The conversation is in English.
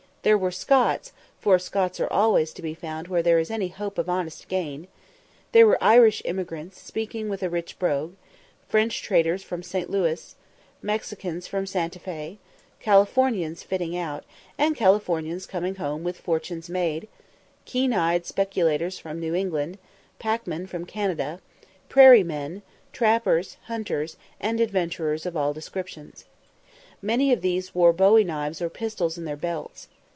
There were Scots, for Scots are always to be found where there is any hope of honest gain there were Irish emigrants, speaking with a rich brogue French traders from St. Louis Mexicans from Santa Fe Californians fitting out, and Californians coming home with fortunes made keen eyed speculators from New England packmen from Canada "Prairie men," trappers, hunters, and adventurers of all descriptions. Many of these wore bowie knives or pistols in their belts.